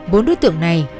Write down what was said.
bốn đối tượng này